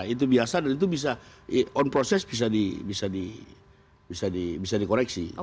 itu biasa dan itu bisa on process bisa dikoreksi